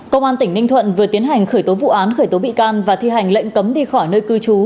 công an tỉnh ninh thuận vừa tiến hành khởi tố vụ án khởi tố bị can và thi hành lệnh cấm đi khỏi nơi cư trú